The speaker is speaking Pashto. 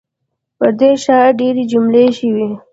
پر دې ښار ډېرې حملې شوي.